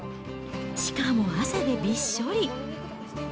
しかも汗でびっしょり。